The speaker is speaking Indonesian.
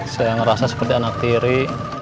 saya merasa seperti anak tiri